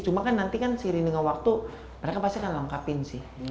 cuma kan nanti kan seiring dengan waktu mereka pasti akan lengkapin sih